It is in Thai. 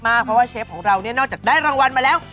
เพราะว่าเชฟเรานอกจากได้รางวัลแล้ว